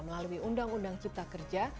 melalui undang undang cipta kerja